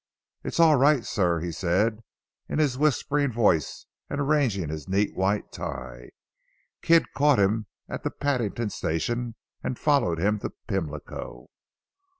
"It's all right sir," he said in his whispering voice and arranging his neat white tie. "Kidd caught him at the Paddington station, and followed him to Pimlico."